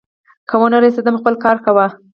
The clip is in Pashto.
که ونه رسېدم، خپل کار کوه.